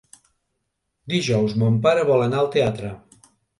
Dijous mon pare vol anar al teatre.